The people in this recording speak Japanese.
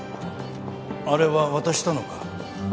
あれは渡したのか？